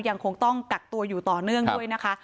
ยังคงต้องกักตัวอยู่ต่อเนื่องด้วยนะคะ